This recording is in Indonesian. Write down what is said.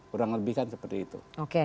kurang lebih kan seperti itu